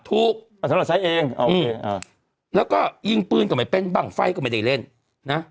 สำหรับใช้เองแล้วก็ยิงปืนก็ไม่เป็นบ้างไฟก็ไม่ได้เล่นนะ